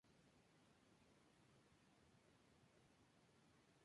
En ocasiones especiales, sale al mercado una edición limitada llamada gold.